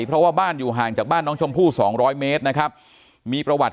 เพราะว่าบ้านอยู่ห่างจากบ้านน้องชมพู่๒๐๐เมตรนะครับมีประวัติ